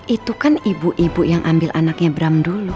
itu kan ibu ibu yang ambil anaknya bram dulu